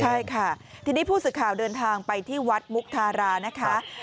ใช่ค่ะทีนี้ผู้สื่อข่าวเดินทางไปที่วัดมุกธารานะคะ